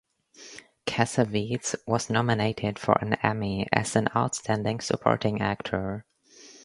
Cassavetes was nominated for an Emmy as an Outstanding Supporting Actor.